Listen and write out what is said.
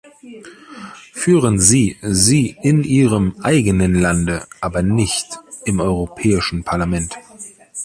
Führen Sie sie in Ihrem eigenen Lande, aber nicht im Europäischen Parlament!